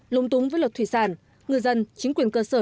lung túng với luật thủy sản ngư dân chính quyền cơ sở